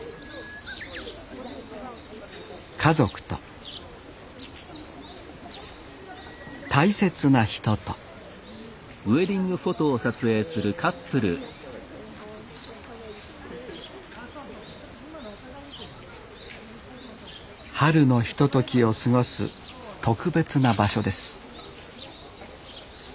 家族と大切な人と春のひとときを過ごす特別な場所です